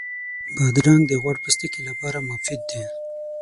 بادرنګ د غوړ پوستکي لپاره مفید دی.